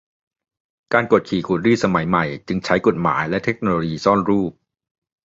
การกดขี่ขูดรีดสมัยใหม่จึงใช้กฎหมายและเทคโนโลยีซ่อนรูป